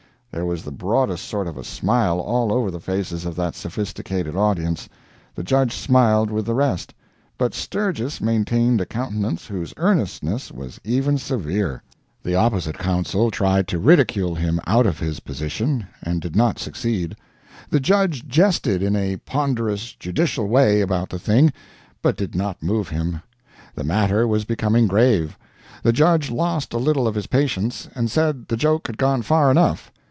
There was the broadest sort of a smile all over the faces of that sophisticated audience. The judge smiled with the rest. But Sturgis maintained a countenance whose earnestness was even severe. The opposite counsel tried to ridicule him out of his position, and did not succeed. The judge jested in a ponderous judicial way about the thing, but did not move him. The matter was becoming grave. The judge lost a little of his patience, and said the joke had gone far enough.